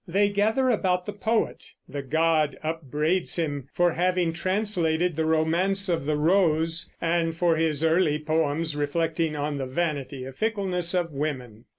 They gather about the poet; the god upbraids him for having translated the Romance of the Rose, and for his early poems reflecting on the vanity and fickleness of women.